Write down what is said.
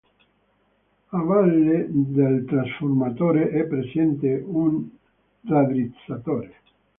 A valle del trasformatore è presente un raddrizzatore.